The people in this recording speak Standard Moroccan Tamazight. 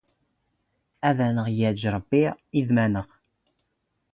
ⴰⴷ ⴰⵏⵖ ⵢⴰⵊⵊ ⵕⴱⴱⵉ ⵉⴷ ⵎⵎⴰⵏⵖ.